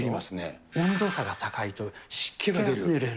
温度差が高いと、湿気が出る。